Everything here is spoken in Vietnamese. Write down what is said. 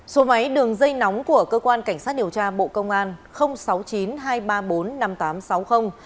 số máy đường dây nóng của cơ quan cảnh sát điều tra bộ công an sáu mươi chín hai trăm ba mươi bốn năm nghìn tám trăm sáu mươi